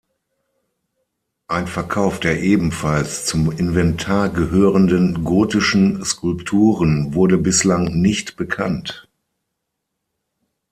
Ein Verkauf der ebenfalls zum Inventar gehörenden gotischen Skulpturen wurde bislang nicht bekannt.